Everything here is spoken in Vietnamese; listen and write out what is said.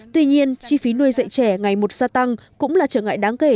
tuy nhiên chi phí nuôi dạy trẻ ngày một gia tăng cũng là trở ngại đáng kể